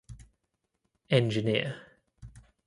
Engineer.